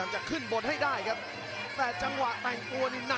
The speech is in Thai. แชลเบียนชาวเล็ก